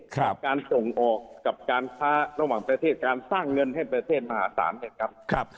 กับการส่งออกกับการค้าระหว่างประเทศการสร้างเงินให้ประเทศมหาศาลนะครับ